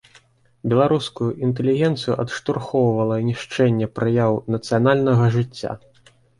Беларускую інтэлігенцыю адштурхоўвала нішчэнне праяў нацыянальнага жыцця.